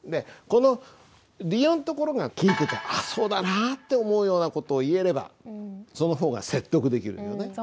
この理由のところが聞いてて「ああそうだな」って思うような事を言えればその方が説得できるよね。